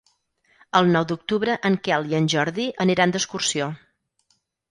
El nou d'octubre en Quel i en Jordi aniran d'excursió.